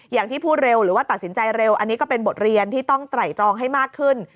อย่างที่พูดเร็วหรือว่าตัดสินใจเร็วอันนี้ก็เป็นบทเรียนที่ต้องไตรตรองให้มากขึ้น